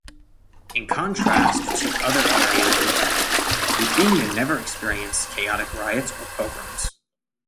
In contrast to other areas of Ukraine, Ruthenia never experienced chaotic riots and pogroms.